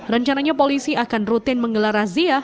rencananya polisi akan rutin menggelar razia